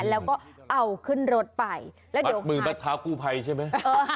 แล้วก็เอาขึ้นรถไปมัดมือมัดเท้ากลูกภัยใช่ไหม